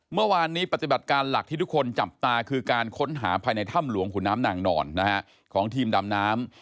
เมื่อวานนี้ปฏิบัติการหลักที่ทุกคนจับตาคือการค้นหาภายในถ้ำหลวงขุนน้ำนางนอนของทีมดำน้ำ